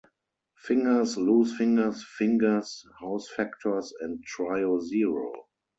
Fingers, Loosefingers, Fingers, House Factors, and Trio Zero.